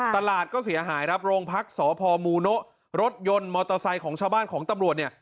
ตลาดก็เสียหายครับโรงพักษพมูโนะรถยนต์มอเตอร์ไซค์ของชาวบ้านของตำรวจเนี่ย